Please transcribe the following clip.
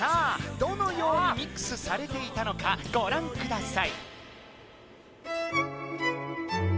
どのようにミックスされていたのかご覧ください